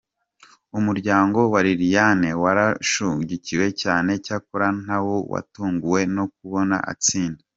Umuryango wa Liliane waramushyigikiye cyane, cyakora nawo watunguwe no kubona atsinda.